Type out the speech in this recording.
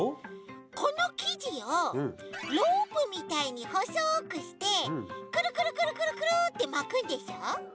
このきじをロープみたいにほそくしてくるくるくるくるくるってまくんでしょ？